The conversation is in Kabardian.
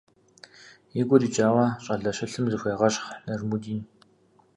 И гур икӀауэ, щӀалэ щылъым зыхуегъэщхъ Нажмудин.